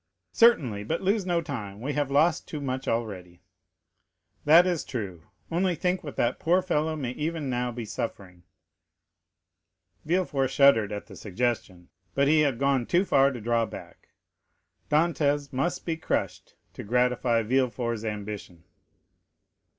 "Certainly. But lose no time; we have lost too much already." "That is true. Only think what the poor fellow may even now be suffering." Villefort shuddered at the suggestion; but he had gone too far to draw back. Dantès must be crushed to gratify Villefort's ambition.